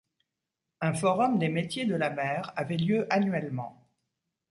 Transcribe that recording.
Un forum des métiers de la mer avait lieu annuellement.